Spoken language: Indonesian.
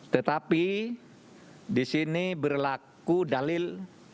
tetapi di sini berlaku dalil